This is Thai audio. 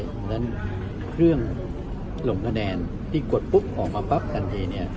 เพราะฉะนั้นเครื่องลงคะแนนที่กดปุ๊บออกมาปั๊บทันทีเนี่ย